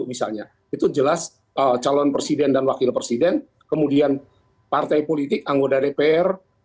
misalnya itu jelas calon presiden dan wakil presiden kemudian partai politik anggota dpr